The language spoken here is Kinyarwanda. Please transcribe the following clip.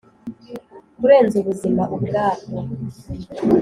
kurenza ubuzima ubwabwo